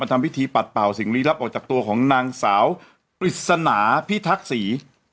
ทำพิธีปัดเป่าสิ่งลี้ลับออกจากตัวของนางสาวปริศนาพิทักษี